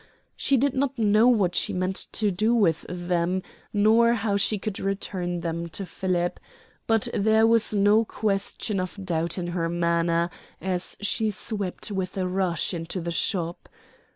She did not know what she meant to do with them nor how she could return them to Philip; but there was no question of doubt in her manner as she swept with a rush into the shop.